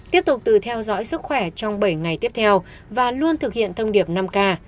tiếp tục tự theo dõi sức khỏe trong bảy ngày tiếp theo và luôn thực hiện thông điệp năm k